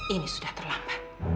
ini sudah terlambat